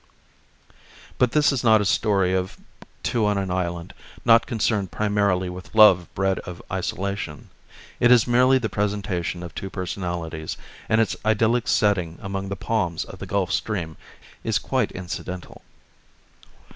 But this is not a story of two on an island, nor concerned primarily with love bred of isolation. It is merely the presentation of two personalities, and its idyllic setting among the palms of the Gulf Stream is quite incidental.